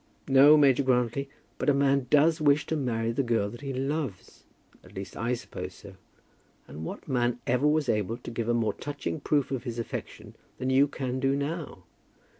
"No, Major Grantly; but a man does wish to marry the girl that he loves. At least, I suppose so. And what man ever was able to give a more touching proof of his affection than you can do now?